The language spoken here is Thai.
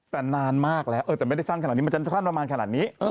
แต่นานมากแล้วแต่ไม่ได้สั้นขนาดนี้มันจะสั้นประมาณขนาดนี้